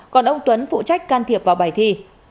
còn ông tuấn phụ trách can thiệp vào bài thi